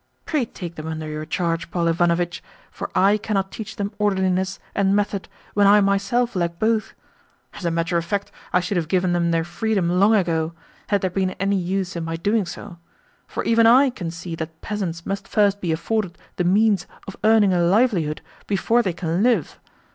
Pray take them under your charge, Paul Ivanovitch, for I cannot teach them orderliness and method when I myself lack both. As a matter of fact, I should have given them their freedom long ago, had there been any use in my doing so; for even I can see that peasants must first be afforded the means of earning a livelihood before they can live.